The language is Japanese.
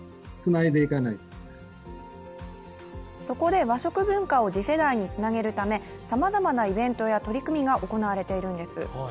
そこで和食文化を次世代につなげるためさまざまなイベントや取り組みが行われているんです。